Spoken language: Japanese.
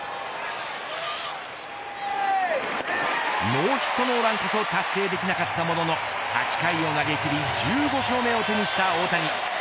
ノーヒットノーランこそ達成できなかったものの８回を投げ切り１５勝目を手にした大谷。